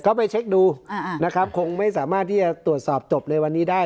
เขาไปเช็คดูนะครับคงไม่สามารถที่จะตรวจสอบจบในวันนี้ได้